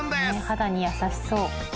「肌に優しそう」